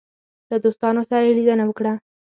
له دوستانو سره یې لیدنه وکړه.